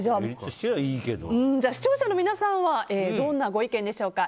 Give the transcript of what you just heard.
視聴者の皆さんはどんなご意見でしょうか。